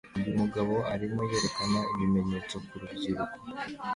Uyu mugabo arimo yerekana ibimenyetso ku rubyiruko